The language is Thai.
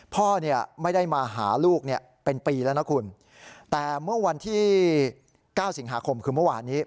พ่อเนี่ยไม่ได้มาหาลูกเนี่ยเป็นปีแล้วนะคุณแต่เมื่อวันที่๙สิงหาคมคือเมื่อวานนี้